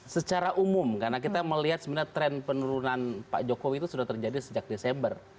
secara umum karena kita melihat sebenarnya tren penurunan pak jokowi itu sudah terjadi sejak desember